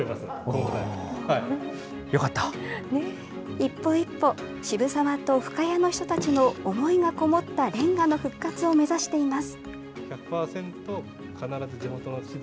一歩一歩、渋沢と深谷の人たちの思いが込もったれんがの復活を目指しています。